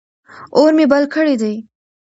اور مې بل کړی دی.